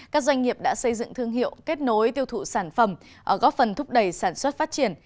các doanh nghiệp đã xây dựng thương hiệu kết nối tiêu thụ sản phẩm góp phần thúc đẩy sản xuất phát triển